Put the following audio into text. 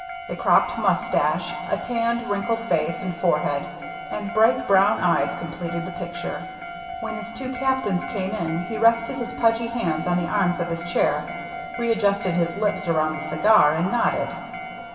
A cropped mustache, a tanned, wrinkled face and forehead, and bright brown eyes completed the picture. When his two captains came in, he rested his pudgy hands on the arms of his chair, readjusted his lips around the cigar, and nodded.